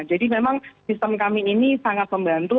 jadi memang sistem kami ini sangat membantu